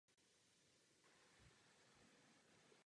Autory soundtracku jsou různí umělci.